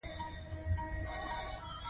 راکټ د ساینسي ایجاداتو سر دی